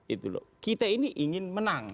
itu loh kita ini ingin menang